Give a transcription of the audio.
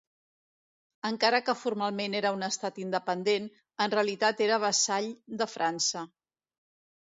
Encara que formalment era un estat independent, en realitat era vassall de França.